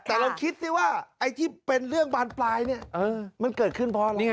แต่เราคิดสิว่าไอ้ที่เป็นเรื่องบานปลายเนี่ยมันเกิดขึ้นเพราะอะไร